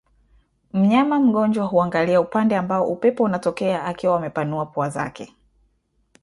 Mnyama mgonjwa huangalia upande ambao upepo unatokea akiwa amepanua pua zake